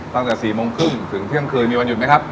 ตั้งแต่๔โมงครึ่งถึงเที่ยงคืนมีวันหยุดไหมครับ